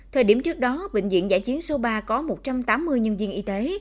thời điểm trước đó bệnh viện giải chiến số ba có một trăm tám mươi nhân viên y tế